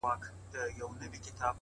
لوړ ارمانونه ستر عملونه غواړي’